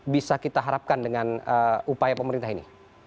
bisa kita harapkan dengan upaya pemerintah ini